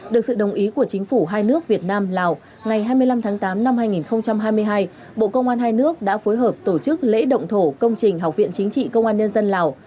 được sự đồng ý của chính phủ hai nước việt nam lào ngày hai mươi năm tháng tám năm hai nghìn hai mươi hai bộ công an hai nước đã phối hợp tổ chức lễ động thổ công trình học viện chính trị công an nhân dân lào